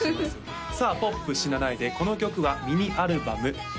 さあポップしなないでこの曲はミニアルバム